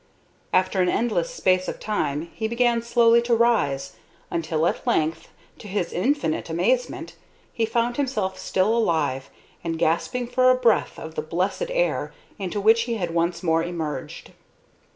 After an endless space of time he began slowly to rise, until at length, to his infinite amazement, he found himself still alive and gasping for a breath of the blessed air into which he had once more emerged.